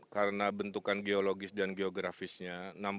karena bentukan geologis dan geografisnya